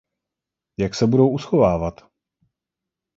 Jak se budou uschovávat?